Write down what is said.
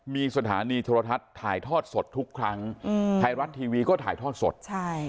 มีสถานีโทรทัศน์ถ่ายทอดสดทุกครั้งอืมไทยรัฐทีวีก็ถ่ายทอดสดใช่